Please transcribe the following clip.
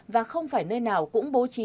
và không phải nơi nào cũng bố trí